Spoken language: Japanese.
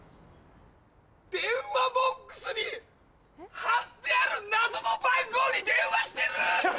電話ボックスに貼ってある謎の番号に電話してる！